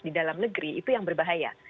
di dalam negeri itu yang berbahaya